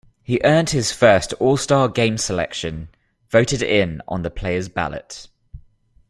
He earned his first All-Star Game selection, voted in on the Player's Ballot.